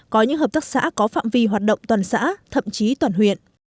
có những hợp tác xã có phạm vi hoạt động toàn xã thậm chí toàn huyện